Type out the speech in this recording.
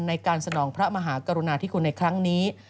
ในการสนองพระมหากรุณาธิคุณในครั้งนี้